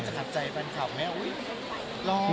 มันจะขัดใจแฟนข่าวไหม